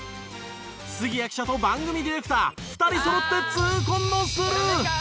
杉谷記者と番組ディレクター２人そろって痛恨のスルー！